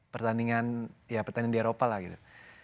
pertandingan ya pertandingan di eropa lah gitu